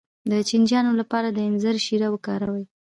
د چینجیانو لپاره د انځر شیره وکاروئ